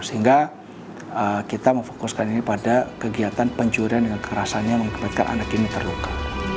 sehingga kita memfokuskan ini pada kegiatan pencurian dengan kekerasan yang mengakibatkan anak ini terluka